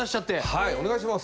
はいお願いします。